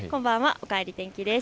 おかえり天気です。